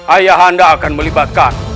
ayahanda akan melibatkan